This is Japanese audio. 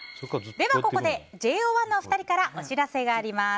では、ここでＪＯ１のお二人からお知らせがあります。